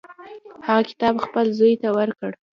هغه کتاب خپل زوی ته ورکړ.